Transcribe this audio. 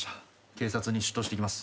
警察に出頭してきます。